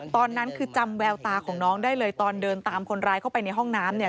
ตอนนั้นคือจำแววตาของน้องได้เลยตอนเดินตามคนร้ายเข้าไปในห้องน้ำเนี่ย